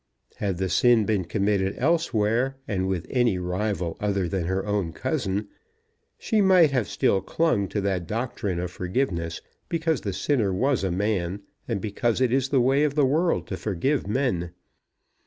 Had the sin been committed elsewhere, and with any rival other than her own cousin, she might have still clung to that doctrine of forgiveness, because the sinner was a man, and because it is the way of the world to forgive men.